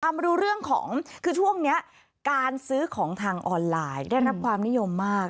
มาดูเรื่องของคือช่วงนี้การซื้อของทางออนไลน์ได้รับความนิยมมาก